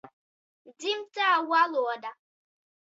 Dzimtā valoda